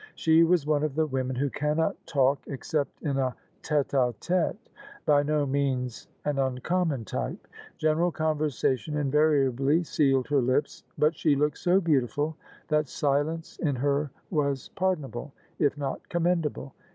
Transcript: She was one of the women who cannot talk except in a tete a tete; by no means an uncommon type. General conversation invariably sealed her lips. But she looked so beautiful that silence in her was pardonable, if not commendable.